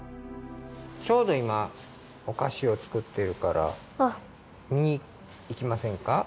ちょうどいまおかしを作っているからみにいきませんか？